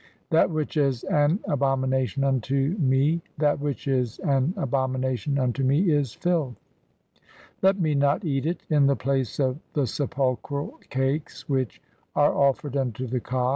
That which is an abo "mination unto me, (2) that which is an abomination unto me "is filth ; let me not eat it [in the place of] the sepulchral cakes "[which are offered unto] the Kas.